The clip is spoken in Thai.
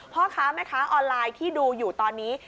พ่อค้าแม่ค้าออนไลน์ที่ดูอยู่ตอนนี้